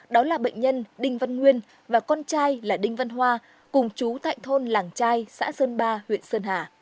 đó là bệnh nhân đinh văn nguyên và con trai là đinh văn hoa cùng chú tại thôn làng trai xã sơn ba huyện sơn hà